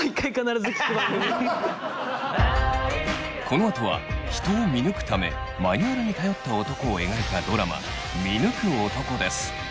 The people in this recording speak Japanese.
このあとは人を見抜くためマニュアルに頼った男を描いたドラマ「見抜く男」です。